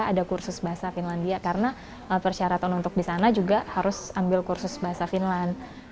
ada kursus bahasa finlandia karena persyaratan untuk di sana juga harus ambil kursus bahasa finland